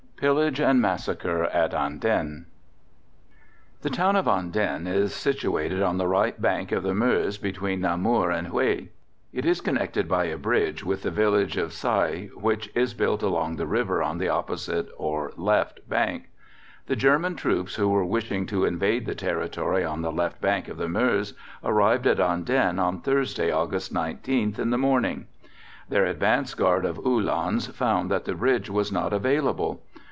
PILLAGE AND MASSACRE AT ANDENNE. The town of Andenne is situated on the right bank of the Meuse between Namur and Huy. It is connected by a bridge with the village of Seilles, which is built along the river on the opposite, or left, bank. The German troops who were wishing to invade the territory on the left bank of the Meuse arrived at Andenne on Thursday, August 19th, in the morning. Their advance guard of Uhlans found that the bridge was not available.